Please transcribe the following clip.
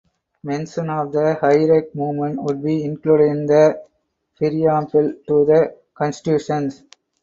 Mention of the Hirak Movement would be included in the preamble to the constitution.